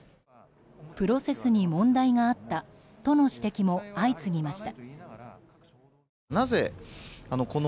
プロセスに問題があったとの指摘も相次ぎました。